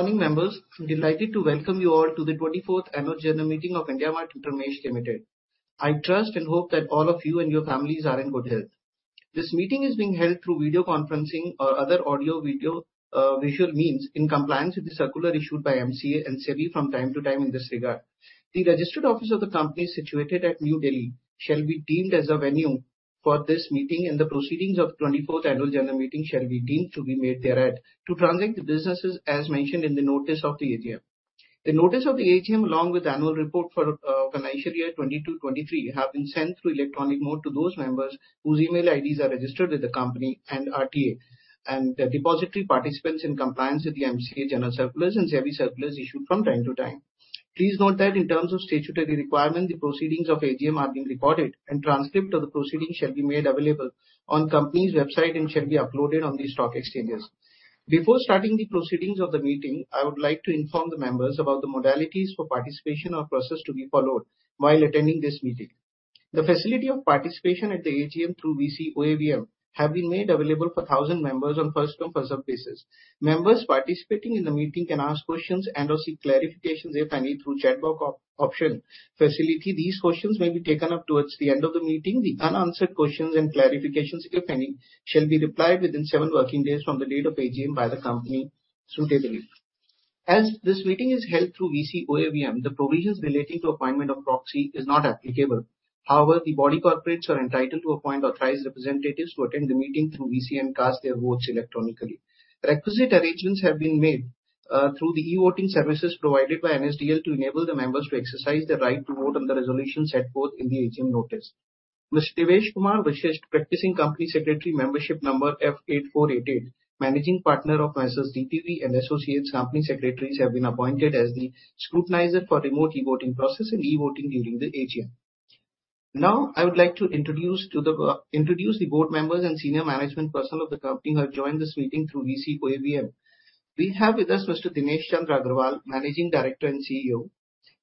Morning, members. I'm delighted to welcome you all to the 24th Annual General Meeting of IndiaMART InterMESH Limited. I trust and hope that all of you and your families are in good health. This meeting is being held through video conferencing or other audio, video, visual means, in compliance with the circular issued by MCA and SEBI from time to time in this regard. The registered office of the company, situated at New Delhi, shall be deemed as a venue for this meeting, and the proceedings of 24th annual general meeting shall be deemed to be made thereat, to transact the businesses as mentioned in the notice of the AGM. The notice of the AGM, along with annual report for financial year 2022, 2023, have been sent through electronic mode to those members whose email IDs are registered with the company and RTA, and the depository participants, in compliance with the MCA general circulars and SEBI circulars issued from time to time. Please note that in terms of statutory requirement, the proceedings of AGM are being recorded, and transcript of the proceedings shall be made available on company's website and shall be uploaded on the stock exchanges. Before starting the proceedings of the meeting, I would like to inform the members about the modalities for participation or process to be followed while attending this meeting. The facility of participation at the AGM through VC or AVM have been made available for 1,000 members on first-come, first-served basis. Members participating in the meeting can ask questions and/or seek clarifications, if any, through chat box op-option facility. These questions may be taken up towards the end of the meeting. The unanswered questions and clarifications, if any, shall be replied within 7 working days from the date of AGM by the company suitably. As this meeting is held through VC or AVM, the provisions relating to appointment of proxy is not applicable. The body corporates are entitled to appoint authorized representatives to attend the meeting through VC and cast their votes electronically. Requisite arrangements have been made through the e-voting services provided by NSDL to enable the members to exercise their right to vote on the resolutions set forth in the AGM notice. Mr. Devesh Kumar Vasisht, practicing Company Secretary, membership number F 8488, Managing Partner of M/s DPV & Associates Company Secretaries, have been appointed as the scrutinizer for remote e-voting process and e-voting during the AGM. Now, I would like to introduce the board members and senior management personnel of the company who have joined this meeting through VC or AVM. We have with us Mr. Dinesh Chandra Agarwal, Managing Director and CEO.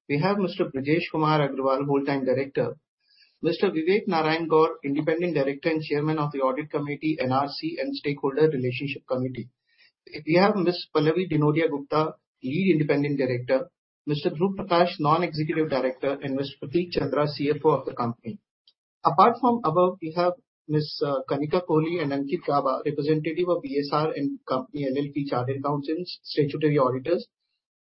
We have Mr. Brijesh Kumar Agrawal, Whole-Time Director. Mr. Vivek Narayan Gour, Independent Director and Chairman of the Audit Committee, NRC and Stakeholders' Relationship Committee. We have Ms. Pallavi Dinodia Gupta, Lead Independent Director. Mr. Dhruv Prakash, Non-Executive Director, and Mr. Prateek Chandra, CFO of the company. Apart from above, we have Ms. Kanika Kohli and Ankit Chhabra, representative of BSR & Co. LLP, Chartered Accountants, Statutory Auditors.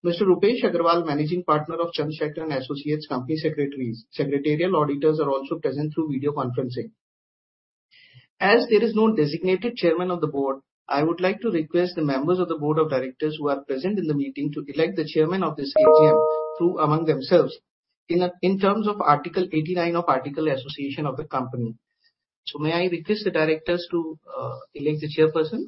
Mr. Rupesh Agarwal, Managing Partner of Chandrasekaran Associates Company Secretaries. Secretarial auditors are also present through video conferencing. As there is no designated chairman of the board, I would like to request the members of the board of directors who are present in the meeting to elect the chairman of this AGM through among themselves, in terms of Article 89 of Articles of Association of the Company. May I request the directors to elect the chairperson?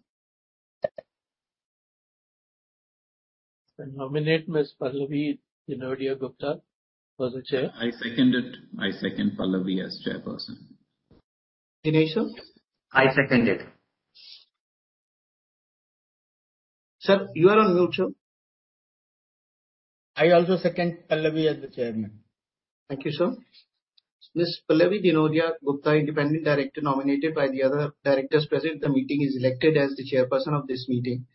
I nominate Ms. Pallavi Dinodia Gupta for the chair. I second it. I second Pallavi as chairperson. Dinesh, sir? I second it. Sir, you are on mute, sir. I also second Pallavi as the chairman. Thank you, sir. Ms. Pallavi Dinodia Gupta, Independent Director, nominated by the other directors present at the meeting, is elected as the chairperson of this meeting.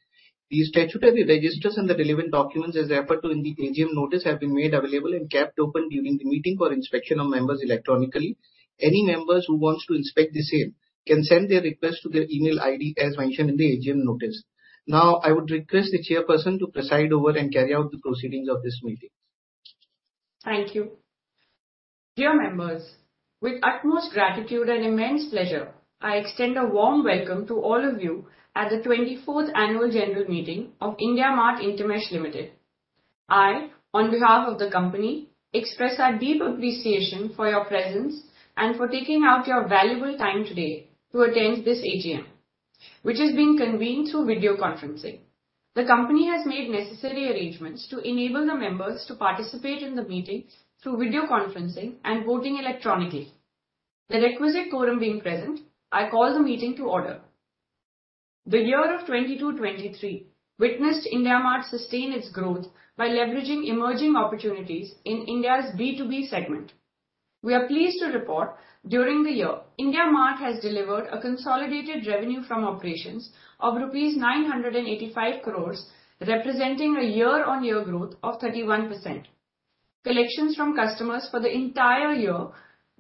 The statutory registers and the relevant documents, as referred to in the AGM notice, have been made available and kept open during the meeting for inspection of members electronically. Any members who wants to inspect the same can send their request to their email ID as mentioned in the AGM notice. Now, I would request the chairperson to preside over and carry out the proceedings of this meeting. Thank you. Dear members, with utmost gratitude and immense pleasure, I extend a warm welcome to all of you at the 24th Annual General Meeting of IndiaMART InterMESH Limited. I, on behalf of the company, express our deep appreciation for your presence and for taking out your valuable time today to attend this AGM, which is being convened through video conferencing. The company has made necessary arrangements to enable the members to participate in the meeting through video conferencing and voting electronically. The requisite quorum being present, I call the meeting to order. The year 2022, 2023 witnessed IndiaMART sustain its growth by leveraging emerging opportunities in India's B2B segment. We are pleased to report, during the year, IndiaMART has delivered a consolidated revenue from operations of rupees 985 crores, representing a year-on-year growth of 31%. Collections from customers for the entire year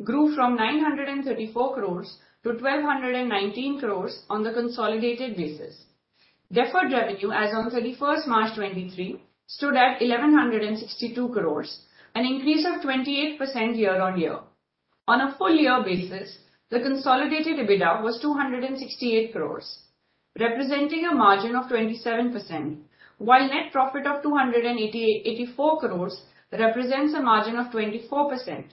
grew from 934 crores to 1,219 crores on the consolidated basis. Deferred revenue as on March 31, 2023, stood at 1,162 crores, an increase of 28% year-on-year. On a full year basis, the consolidated EBITDA was 268 crores, representing a margin of 27%, while net profit of 284 crores represents a margin of 24%,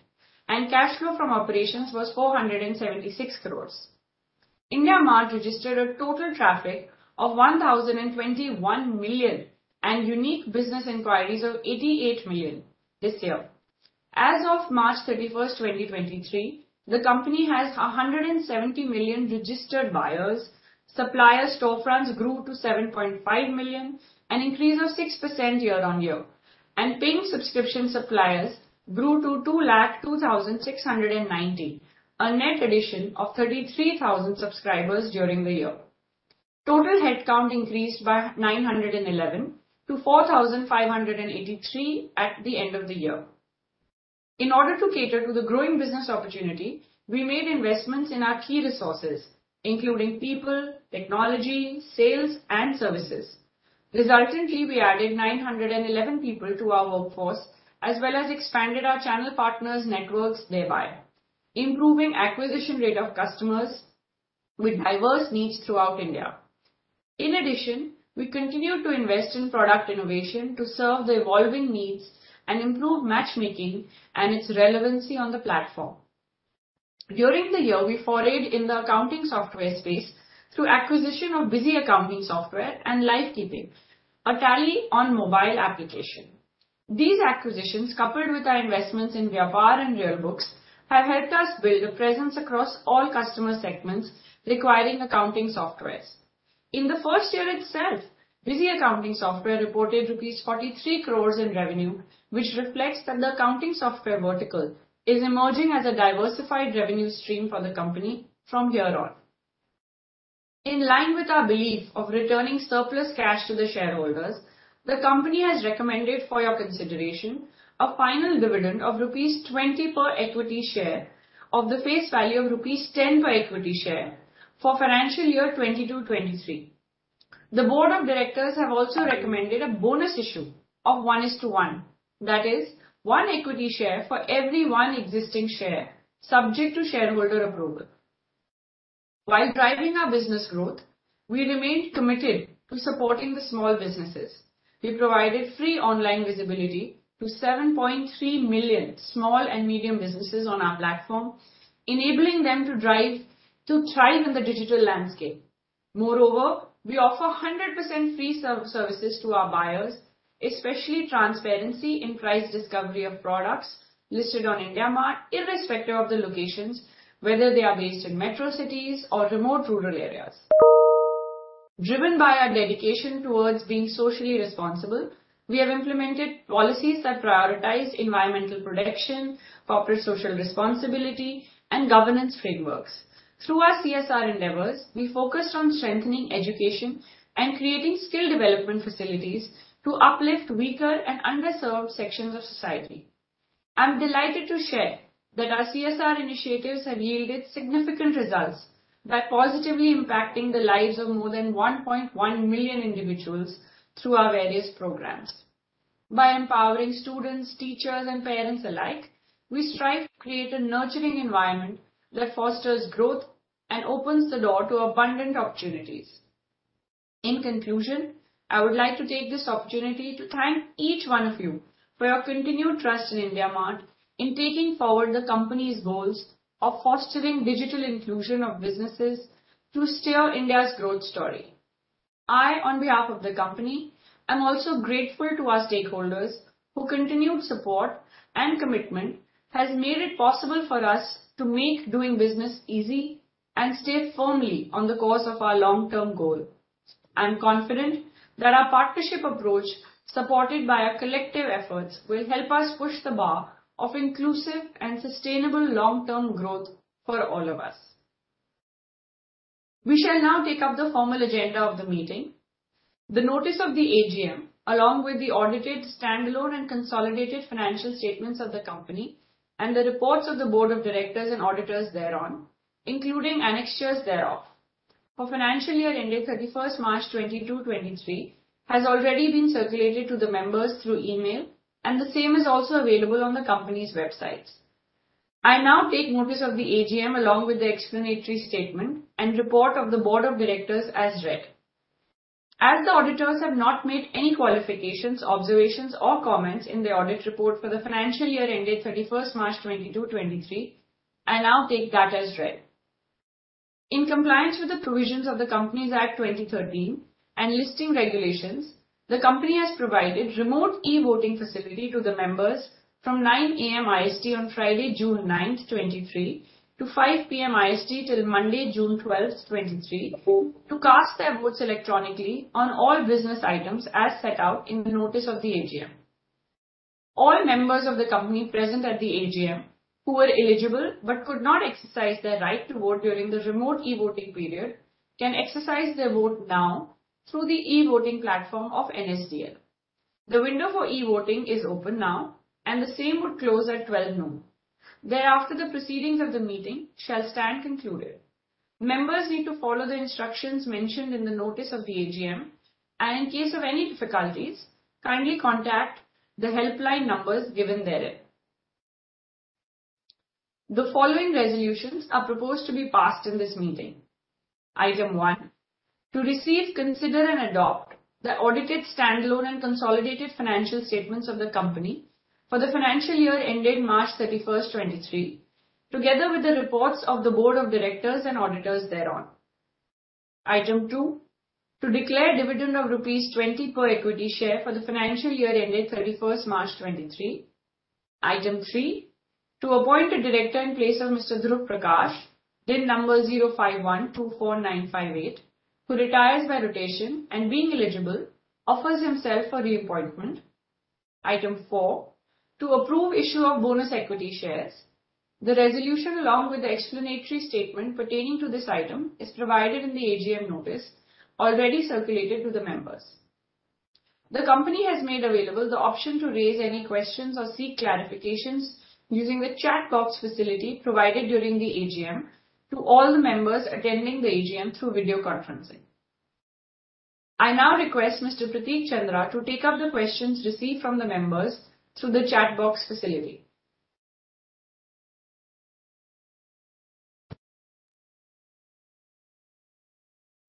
and cash flow from operations was 476 crores. IndiaMART registered a total traffic of 1,021 million, and unique business inquiries of 88 million this year. As of March 31, 2023, the company has 170 million registered buyers. Supplier storefronts grew to 7.5 million, an increase of 6% year-on-year.... Paying subscription suppliers grew to 2 lakh 2,690, a net addition of 33,000 subscribers during the year. Total headcount increased by 911 to 4,583 at the end of the year. In order to cater to the growing business opportunity, we made investments in our key resources, including people, technology, sales, and services. Resultantly, we added 911 people to our workforce, as well as expanded our channel partners networks, thereby improving acquisition rate of customers with diverse needs throughout India. In addition, we continued to invest in product innovation to serve the evolving needs and improve matchmaking and its relevancy on the platform. During the year, we forayed in the accounting software space through acquisition of Busy accounting software and Livekeeping, a Tally on mobile application. These acquisitions, coupled with our investments in Vyapar and Clearbooks, have helped us build a presence across all customer segments requiring accounting softwares. In the first year itself, Busy accounting software reported 43 crores rupees in revenue, which reflects that the accounting software vertical is emerging as a diversified revenue stream for the company from here on. In line with our belief of returning surplus cash to the shareholders, the company has recommended for your consideration a final dividend of rupees 20 per equity share of the face value of rupees 10 per equity share for financial year 2022-2023. The board of directors have also recommended a bonus issue of 1 is to 1, that is 1 equity share for every 1 existing share, subject to shareholder approval. While driving our business growth, we remained committed to supporting the small businesses. We provided free online visibility to 7.3 million small and medium businesses on our platform, enabling them to drive to thrive in the digital landscape. We offer 100% free services to our buyers, especially transparency in price discovery of products listed on IndiaMART, irrespective of the locations, whether they are based in metro cities or remote rural areas. Driven by our dedication towards being socially responsible, we have implemented policies that prioritize environmental protection, corporate social responsibility, and governance frameworks. Through our CSR endeavors, we focused on strengthening education and creating skill development facilities to uplift weaker and underserved sections of society. I'm delighted to share that our CSR initiatives have yielded significant results by positively impacting the lives of more than 1.1 million individuals through our various programs. By empowering students, teachers, and parents alike, we strive to create a nurturing environment that fosters growth and opens the door to abundant opportunities. In conclusion, I would like to take this opportunity to thank each one of you for your continued trust in IndiaMART in taking forward the company's goals of fostering digital inclusion of businesses to steer India's growth story. I, on behalf of the company, am also grateful to our stakeholders, whose continued support and commitment has made it possible for us to make doing business easy and stay firmly on the course of our long-term goal. I'm confident that our partnership approach, supported by our collective efforts, will help us push the bar of inclusive and sustainable long-term growth for all of us. We shall now take up the formal agenda of the meeting. The notice of the AGM, along with the audited standalone and consolidated financial statements of the company and the reports of the board of directors and auditors thereon, including annexures thereof for financial year ending 31st March 2022, 2023, has already been circulated to the members through email, and the same is also available on the company's websites. I now take notice of the AGM, along with the explanatory statement and report of the board of directors as read. The auditors have not made any qualifications, observations, or comments in the audit report for the financial year ended 31st March 2022, 2023, I now take that as read. In compliance with the provisions of the Companies Act, 2013 and listing regulations, the company has provided remote e-voting facility to the members from 9:00 A.M. IST on Friday, June 9th, 2023, to 5:00 P.M. IST till Monday, June 12th, 2023, to cast their votes electronically on all business items as set out in the notice of the AGM. All members of the company present at the AGM who were eligible but could not exercise their right to vote during the remote e-voting period, can exercise their vote now through the e-voting platform of NSDL. The window for e-voting is open now, and the same would close at 12:00 noon. Thereafter, the proceedings of the meeting shall stand concluded. Members need to follow the instructions mentioned in the notice of the AGM, and in case of any difficulties, kindly contact the helpline numbers given therein. The following resolutions are proposed to be passed in this meeting. Item one: to receive, consider, and adopt the audited standalone and consolidated financial statements of the company for the financial year ended March 31st, 2023, together with the reports of the board of directors and auditors thereon. Item two: to declare dividend of rupees 20 per equity share for the financial year ended 31st March, 2023. Item 3: to appoint a director in place of Mr. Dhruv Prakash, DIN number 05124958, who retires by rotation and being eligible, offers himself for reappointment. Item 4: to approve issue of bonus equity shares. The resolution, along with the explanatory statement pertaining to this item, is provided in the AGM notice already circulated to the members. The company has made available the option to raise any questions or seek clarifications using the chat box facility provided during the AGM to all the members attending the AGM through video conferencing. I now request Mr. Prateek Chandra to take up the questions received from the members through the chat box facility.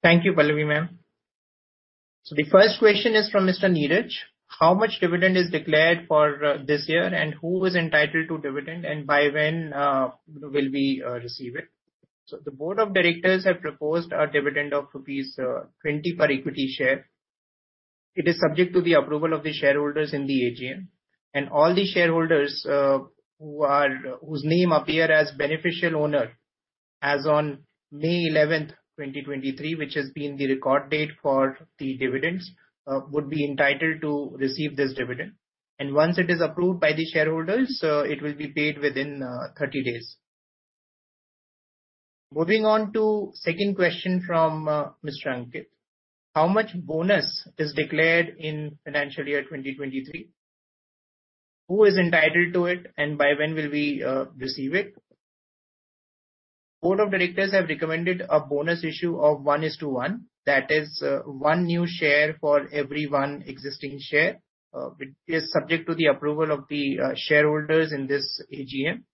Thank you, Pallavi Ma'am. The first question is from Mr. Neeraj: How much dividend is declared for this year, and who is entitled to dividend, and by when will we receive it? The board of directors have proposed a dividend of rupees 20 per equity share. It is subject to the approval of the shareholders in the AGM, all the shareholders whose name appear as beneficial owner as on May 11, 2023, which has been the record date for the dividends, would be entitled to receive this dividend. Once it is approved by the shareholders, it will be paid within 30 days. Moving on to second question from Mr. Ankit: How much bonus is declared in financial year 2023? Who is entitled to it, and by when will we receive it? Board of directors have recommended a bonus issue of 1 is to 1, that is, 1 new share for every 1 existing share, which is subject to the approval of the shareholders in this AGM.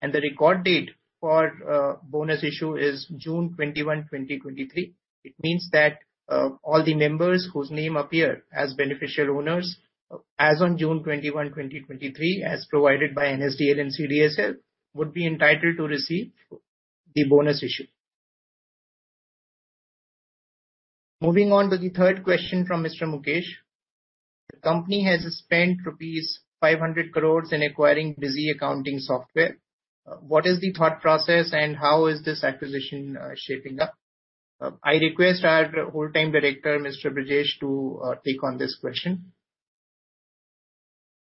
The record date for bonus issue is June 21, 2023. It means that, all the members whose name appear as beneficial owners, as on June 21, 2023, as provided by NSDL and CDSL, would be entitled to receive the bonus issue. Moving on to the third question from Mr. Mukesh: The company has spent rupees 500 crores in acquiring Busy accounting software. What is the thought process, and how is this acquisition shaping up? I request our Whole-Time Director, Mr. Brijesh, to take on this question.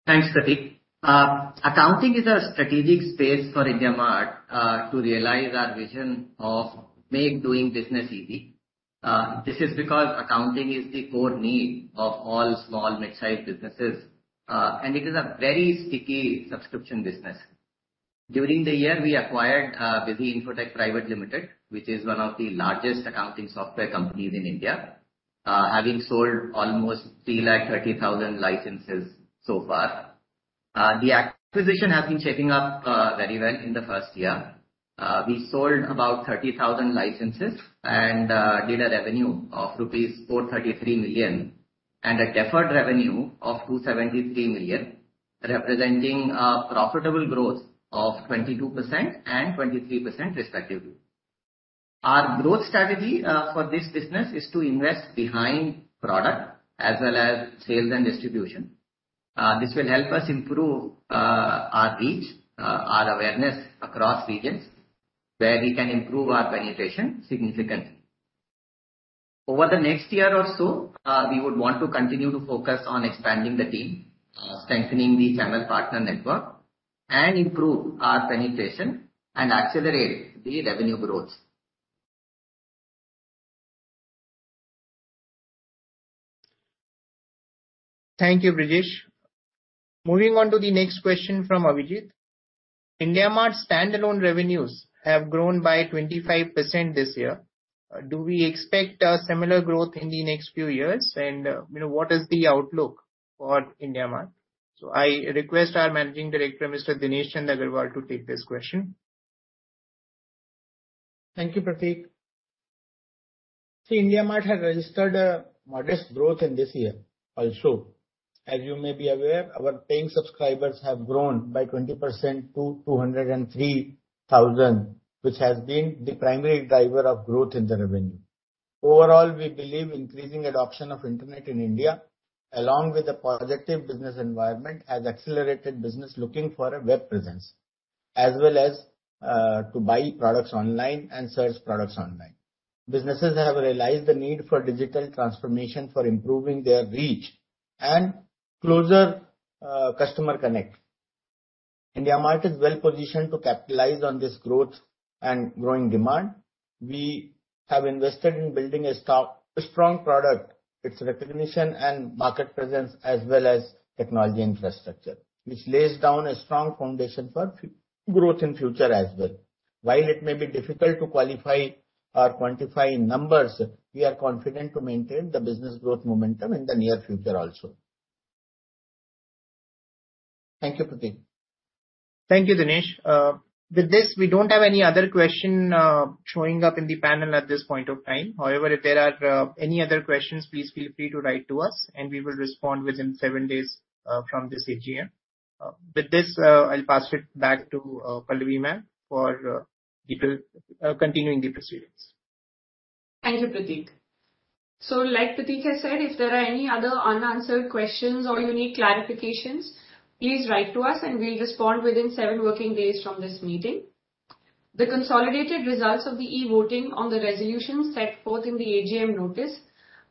Thanks, Prateek. Accounting is a strategic space for IndiaMART to realize our vision of make doing business easy. This is because accounting is the core need of all small mid-sized businesses, and it is a very sticky subscription business. During the year, we acquired Busy Infotech Private Limited, which is one of the largest accounting software companies in India, having sold almost 330,000 licenses so far. The acquisition has been shaping up very well in the first year. We sold about 30,000 licenses and did a revenue of rupees 433 million and a deferred revenue of 273 million, representing a profitable growth of 22% and 23%, respectively. Our growth strategy for this business is to invest behind product as well as sales and distribution. This will help us improve our reach, our awareness across regions, where we can improve our penetration significantly. Over the next year or so, we would want to continue to focus on expanding the team, strengthening the channel partner network, and improve our penetration and accelerate the revenue growth. Thank you, Brijesh. Moving on to the next question from Abhijit: IndiaMART standalone revenues have grown by 25% this year. Do we expect a similar growth in the next few years? you know, what is the outlook for IndiaMART? I request our Managing Director, Mr. Dinesh Chandra Agarwal, to take this question. Thank you, Prateek. IndiaMART has registered a modest growth in this year also. As you may be aware, our paying subscribers have grown by 20% to 203,000, which has been the primary driver of growth in the revenue. Overall, we believe increasing adoption of internet in India, along with the positive business environment, has accelerated business looking for a web presence, as well as to buy products online and search products online. Businesses have realized the need for digital transformation for improving their reach and closer customer connect. IndiaMART is well positioned to capitalize on this growth and growing demand. We have invested in building a strong product, its recognition and market presence, as well as technology infrastructure, which lays down a strong foundation for growth in future as well. While it may be difficult to qualify or quantify in numbers, we are confident to maintain the business growth momentum in the near future also. Thank you, Prateek. Thank you, Dinesh. With this, we don't have any other question showing up in the panel at this point of time. If there are any other questions, please feel free to write to us, and we will respond within seven days from this AGM. With this, I'll pass it back to Pallavi Ma'am, for continuing the proceedings. Thank you, Prateek. Like Prateek has said, if there are any other unanswered questions or you need clarifications, please write to us, and we'll respond within 7 working days from this meeting. The consolidated results of the e-voting on the resolutions set forth in the AGM notice,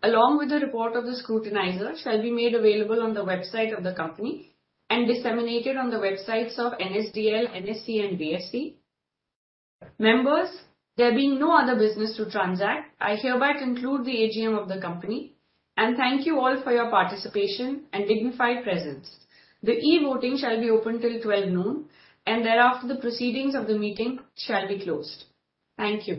along with the report of the scrutinizer, shall be made available on the website of the company and disseminated on the websites of NSDL, NSE, and BSE. Members, there being no other business to transact, I hereby conclude the AGM of the company and thank you all for your participation and dignified presence. The e-voting shall be open till 12:00 P.M., and thereafter, the proceedings of the meeting shall be closed. Thank you.